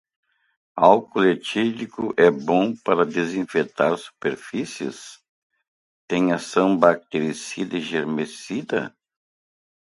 Álcool etílico é bom para desinfetar superfícies? Tem ação bactericida e germicida?